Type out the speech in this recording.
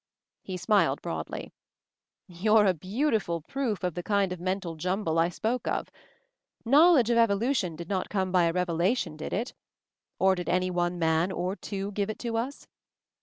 He smiled broadly. "You're a beautiful proof of the kind of mental jumble I spoke of. Knowledge of evolution did not come by a revelation, did it ? Or did any one man, or two, give it to us?